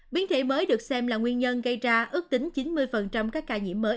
biến thể mới được xem là nguyên nhân gây ra ước tính chín mươi các ca nhiễm mới